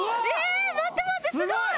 待って待ってすごい。